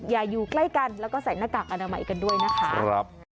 อยู่ใกล้กันแล้วก็ใส่หน้ากากอนามัยกันด้วยนะคะ